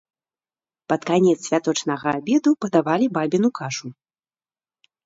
Пад канец святочнага абеду падавалі бабіну кашу.